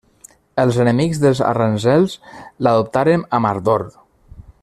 Els enemics dels aranzels l'adoptaren amb ardor.